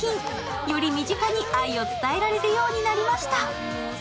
より身近に愛を伝えられるようになりました。